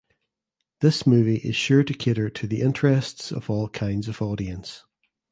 This movie is sure to cater to the interests of all kinds of audience.